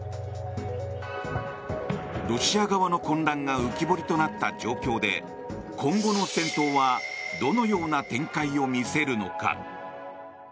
ロシア側の混乱が浮き彫りとなった状況で今後の戦闘はどのような展開を見せるのか。